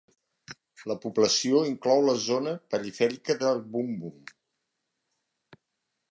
La població inclou la zona perifèrica de Bombom.